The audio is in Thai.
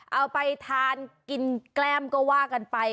เอาไปทานกินแกล้มก็ว่ากันไป